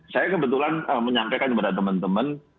saya kebetulan menyampaikan kepada teman teman